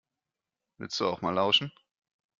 Willst du auch mal lauschen?